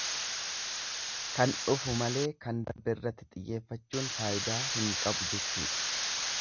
Kan dhufu malee kan darberratti xiyyeeffchuun faayidaa hin qabu jechuudha.